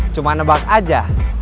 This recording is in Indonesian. cuma nebak aja